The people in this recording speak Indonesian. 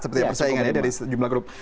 seperti persaingan dari jumlah grup